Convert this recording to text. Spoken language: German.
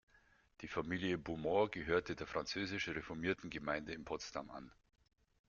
Die Familie Bouman gehörte der Französisch-Reformierten Gemeinde in Potsdam an.